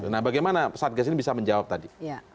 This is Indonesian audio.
nah bagaimana satgas ini bisa menjawab tadi